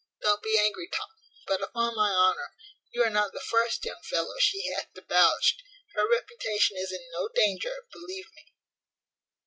Don't be angry, Tom, but upon my honour, you are not the first young fellow she hath debauched. Her reputation is in no danger, believe me."